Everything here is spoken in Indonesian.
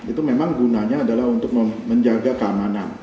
itu memang gunanya adalah untuk menjaga keamanan